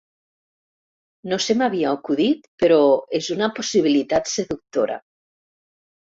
No se m'havia acudit, però és una possibilitat seductora.